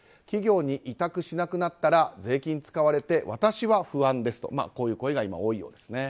企業に委託しなくなったら税金使われて私は不安ですとこういう声が多いようです。